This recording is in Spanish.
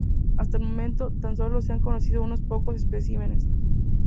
Hasta el momento, tan sólo se han conocido unos pocos especímenes.